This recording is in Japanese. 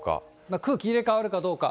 空気入れ替わるかどうか。